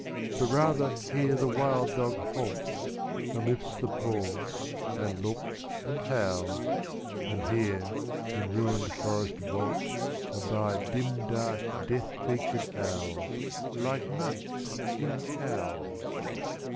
But rather here the wild dog halts, And lifts the paw, and looks, and howls; And here, in ruined forest vaults, Abide dim, dark, death featured owls, Like monks in cowls.